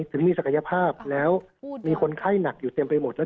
ถึงมีศักยภาพแล้วมีคนไข้หนักอยู่เต็มไปหมดแล้ว